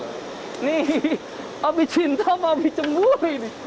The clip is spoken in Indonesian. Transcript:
ini api cinta atau api cemburi ini